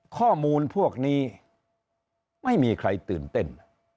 ข้อมูลพวกนี้ไม่มีใครตื่นเต้น